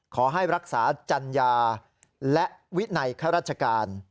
ขอให้รักษาจัญญาและวินัยข้าราชการ